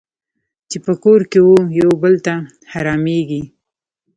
چې په کور کې وو یو بل ته حرامېږي.